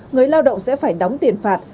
người lao động sẽ phải đóng tiền phạt